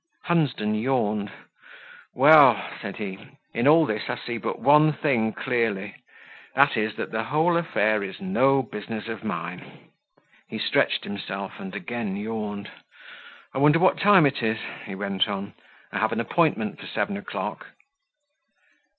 Hunsden yawned. "Well," said he, "in all this, I see but one thing clearly that is, that the whole affair is no business of mine." He stretched himself and again yawned. "I wonder what time it is," he went on: "I have an appointment for seven o'clock."